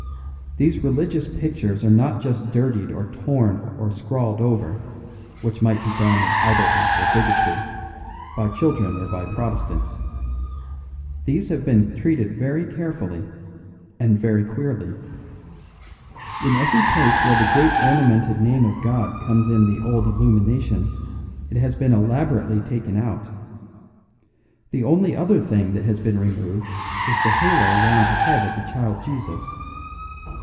These religious pictures are not just dirtied or torn or scrawled over, which might be done in idleness or bigotry, by children or by Protestants. These have been treated very carefully and very queerly. In every place where the great ornamented name of God comes in the old illuminations it has been elaborately taken out. The only other thing that has been removed is the halo round the head of the Child Jesus.